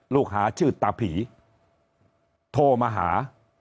ลูกหาชื่อตาผีโทรมาหา